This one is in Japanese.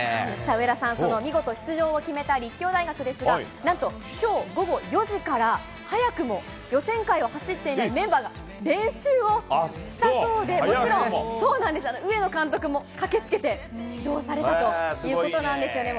上田さん、その見事、出場を決めた立教大学ですが、なんと、きょう午後４時から、早くも予選会を走っていないメンバーが練習をしたそうで、もちろん、そうなんです、上野監督も駆けつけて指導されたということなんですよね。